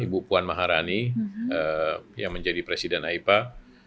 ibu puan maharani yang menjadi presiden aipak